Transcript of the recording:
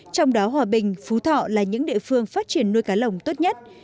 trong đó hòa bình phú thọ là những địa phương phát triển nuôi cá lồng tốt nhất